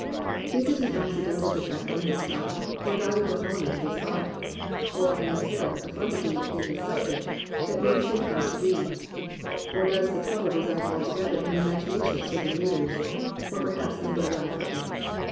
Is it an accidental de fect of his style, or a valuable element of his art, or an inherent profundity of his subject that makes him hard to read ? Or does the trouble reside alto gether in the imagination of certain readers, or per haps in their lack of it